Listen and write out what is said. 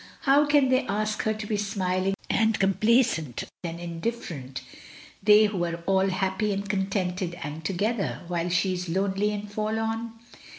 How can they ask her to be smiling and complaisant and in different, they who are all happy and contented and together, while she is lonely and forlorn?